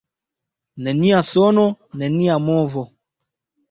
Nenia sono, nenia movo.